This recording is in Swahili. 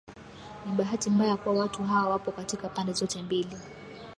Ni bahati mbaya kuwa watu hawa wapo katika pande zote mbili